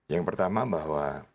yang pertama bahwa